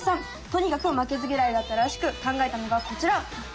とにかく負けず嫌いだったらしく考えたのがこちら！